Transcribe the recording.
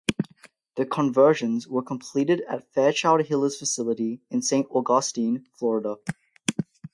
The conversions were completed at Fairchild-Hiller's facility in Saint Augustine, Florida.